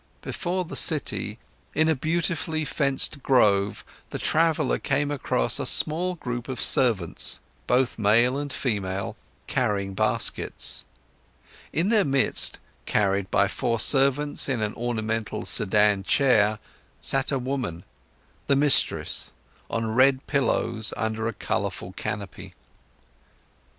Before the city, in a beautifully fenced grove, the traveller came across a small group of servants, both male and female, carrying baskets. In their midst, carried by four servants in an ornamental sedan chair, sat a woman, the mistress, on red pillows under a colourful canopy.